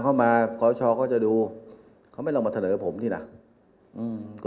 เราดูนั้นภาพส่งบสุข